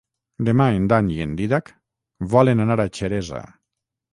Demà en Dan i en Dídac volen anar a Xeresa.